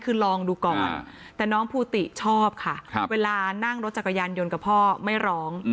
คือลองดูก่อนแต่น้องภูติชอบค่ะเวลานั่งรถจักรยานยนต์กับพ่อไม่ร้อง